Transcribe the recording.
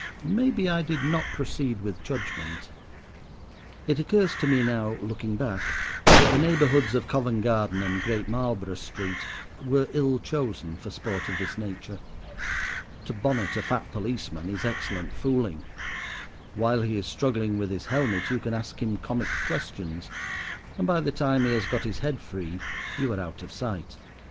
Maybe I did not proceed with judgment. It occurs to me now, looking back, that the neighbourhoods of Covent Garden and Great Marlborough Street were ill chosen for sport of this nature. To bonnet a fat policeman is excellent fooling. While he is struggling with his helmet you can ask him comic questions, and by the time he has got his head free you are out of sight.